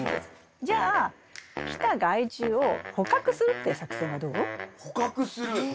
じゃあ来た害虫を捕獲するっていう作戦はどう？捕獲する？